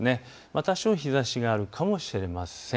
多少日ざしがあるかもしれません。